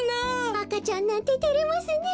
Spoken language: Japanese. あかちゃんなんててれますねえ。